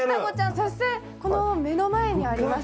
そして目の前にあります